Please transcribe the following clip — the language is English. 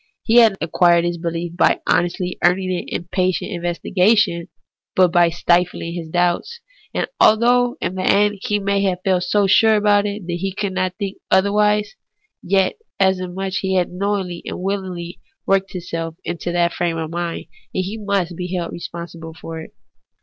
He had acquired his behef not by honestly earning it in patient investigation, but by stifling his doubts. And although in the end he may have felt so sure about it that he could not think otherwise, yet inasmuch as he had knowingly and will ingly worked himself into that frame of mind, he must be held responsible for it.